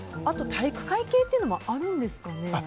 体育会系っていうのもあるんですかね。